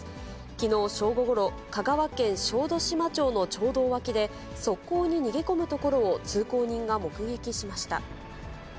きのう正午ごろ、香川県小豆島町の町道脇で、側溝に逃げ込むところを通行人が目撃しました。